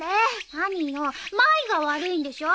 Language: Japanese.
何よまいが悪いんでしょ！